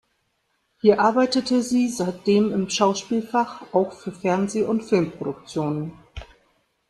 Hier arbeitete sie seitdem im Schauspielfach, auch für Fernseh- und Filmproduktionen.